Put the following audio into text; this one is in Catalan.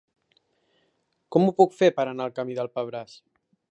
Com ho puc fer per anar al camí del Pebràs?